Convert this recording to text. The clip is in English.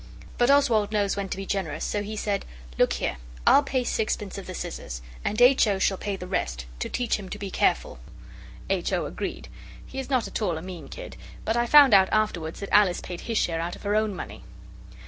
But Oswald knows when to be generous; so he said 'Look here! I'll pay sixpence of the scissors, and H. O. shall pay the rest, to teach him to be careful.' H. O. agreed: he is not at all a mean kid, but I found out afterwards that Alice paid his share out of her own money.